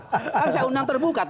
kan saya undang terbuka